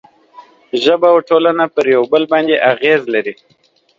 ژبه او ټولنه پر یو بل باندې اغېز لري.